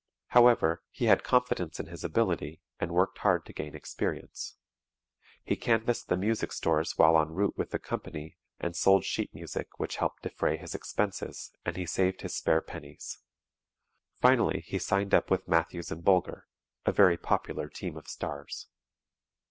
However, he had confidence in his ability and worked hard to gain experience. He canvassed the music stores while en route with the company and sold sheet music which helped defray his expenses, and he saved his spare pennies. Finally, he signed up with Mathews and Bulger, a very popular team of stars.